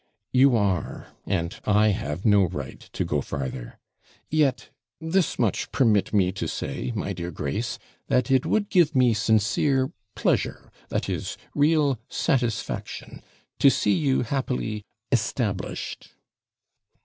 'You are; and I have no right to go farther. Yet, this much permit me to say, my dear Grace, that it would give me sincere pleasure, that is, real satisfaction, to see you happily established.'